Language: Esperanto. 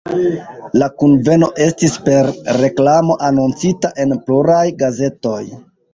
La kunveno estis per reklamo anoncita en pluraj gazetoj.